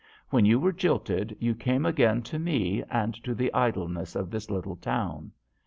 When you were jilted you came again to me and to the idleness of this little town.